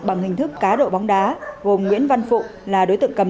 bằng hình thức cá độ bóng đá gồm nguyễn văn phụ là đối tượng cầm